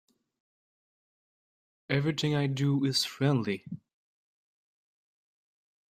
Everything I do is friendly.